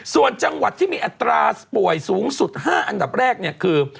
ส่วนจังหวัดที่มีอัตราป่วยสูงสุด๕อันดับแรกเนี่ยคือ